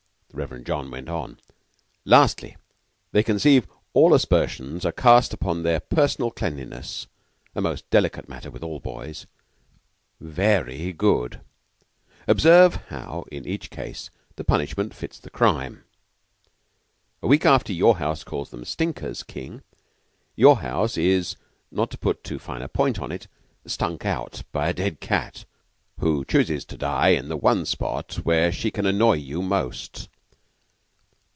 The Reverend John went on. "Lastly, they conceive that aspersions are cast upon their personal cleanliness a most delicate matter with all boys. Ve ry good. Observe how, in each case, the punishment fits the crime. A week after your house calls them 'stinkers,' King, your house is, not to put too fine a point on it, stunk out by a dead cat who chooses to die in the one spot where she can annoy you most.